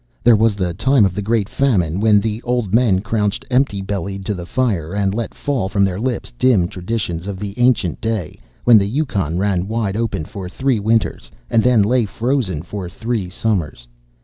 There was the time of the Great Famine, when the old men crouched empty bellied to the fire, and let fall from their lips dim traditions of the ancient day when the Yukon ran wide open for three winters, and then lay frozen for three summers.